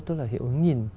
tức là hiệu ứng nhìn